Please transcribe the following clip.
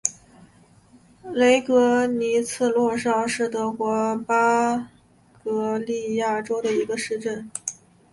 雷格尼茨洛绍是德国巴伐利亚州的一个市镇。